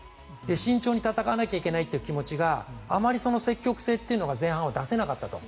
慎重に戦わなきゃいけないという気持ちがあまり積極性というのが前半は出せなかったと。